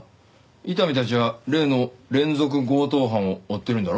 伊丹たちは例の連続強盗犯を追ってるんだろ？